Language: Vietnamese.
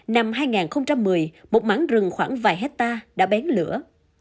năm hai nghìn một mươi một mảng rừng khoảng vài hectare đã bén lửa